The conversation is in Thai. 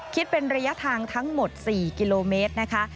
คิดเป็นระยะทางทั้งหมด๔กิโลเมตรนะคะ